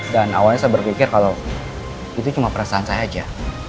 dan awalnya saya berpikir kalau itu cuma perasaan saya aja